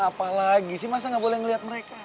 apalagi sih masa gak boleh liat mereka